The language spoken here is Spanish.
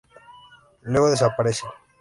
Luego desaparece.